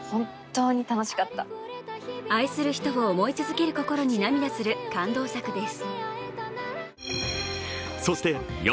愛する人を思い続ける心に涙する感動作です。